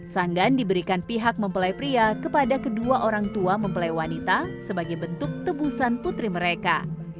sanggan diberikan pihak mempelai pria kepada kedua orang tua mempelai wanita sebagai bentuk tebusan putri mereka